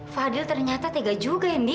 fadil ternyata tega juga ya ndi